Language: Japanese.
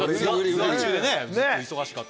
ツアー中でねずっと忙しかった。